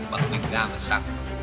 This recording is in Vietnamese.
bằng bình ga và xăng